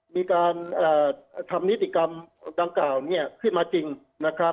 มีการทำนิติกรรมดังกล่าวเนี่ยขึ้นมาจริงนะครับ